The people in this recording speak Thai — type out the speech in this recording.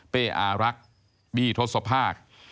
เป้อารักบี้ทศพาค